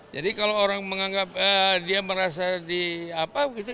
jadi kalau orang menganggap dia merasa di apa gitu